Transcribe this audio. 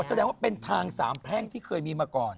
แสดงว่าเป็นทางสามแพร่งที่เคยมีมาก่อน